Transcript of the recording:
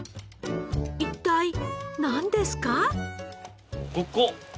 一体なんですか？